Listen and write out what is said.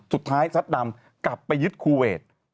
สุดท้ายซัดดำกลับไปยึดคูเวท